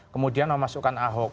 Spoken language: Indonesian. kemudian memasukkan ahok